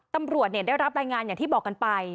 ตำรวจได้รับรายงานอย่างที่บอกกันไป